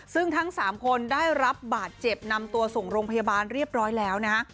ซึ่งทั้ง๓คนได้รับบาดเจ็บนำตัวส่งโรงพยาบาลเรียบร้อยแล้วนะฮะ